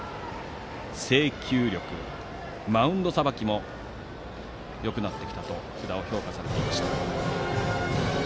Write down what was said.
制球力、マウンドさばきもよくなってきたと福田を評価されていました。